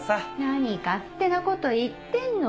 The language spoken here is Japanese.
何勝手なこと言ってんの？